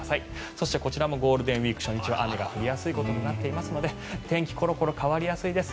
そしてこちらもゴールデンウィーク初日は雨が降りやすいことになっていますので天気コロコロ変わりやすいです。